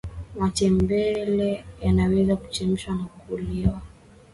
matembele yanaweza kuchemsha na kuliwa